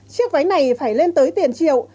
chiếc váy này phải lên tới tiền triệu